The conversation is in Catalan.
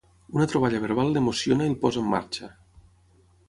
Una troballa verbal l'emociona i el posa en marxa.